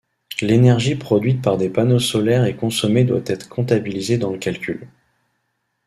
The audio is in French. L'énergie produite par des panneaux solaires et consommée doit être comptabilisée dans le calcul.